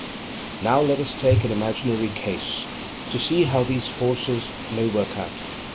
Now let us take an imaginary case, to see how these forces may work out.